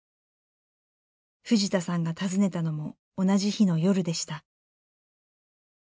藤田さんが訪ねたのも同じ日の夜でした。